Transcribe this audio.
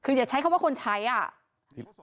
อย่าใช้คำว่าคนใช้